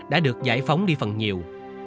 đã được giải phóng đi phần nhiều